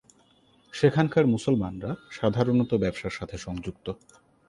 সেখানকার মুসলমানরা সাধারণত ব্যবসার সাথে সংযুক্ত।